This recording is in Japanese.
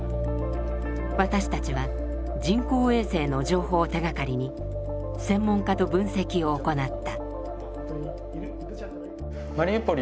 私たちは人工衛星の情報を手がかりに専門家と分析を行った。